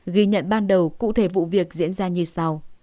ghi nhận ban đầu cụ thể vụ việc diễn ra như sau